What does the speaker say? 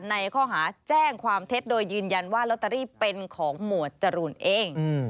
ในข้อหาแจ้งความเท็จโดยยืนยันว่าลอตเตอรี่เป็นของหมวดจรูนเอง